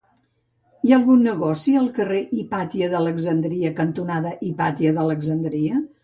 Hi ha algun negoci al carrer Hipàtia d'Alexandria cantonada Hipàtia d'Alexandria?